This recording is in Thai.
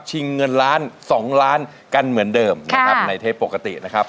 เงินล้านสองล้านกันเหมือนเดิมนะครับในเทปปกตินะครับ